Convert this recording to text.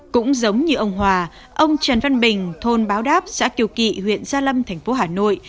cũng giống như ông hòa ông trần văn bình thôn báo đáp xã kiều kỵ huyện gia lâm thành phố hà nội